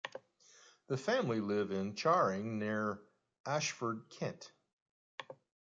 The family live in Charing, near Ashford, Kent.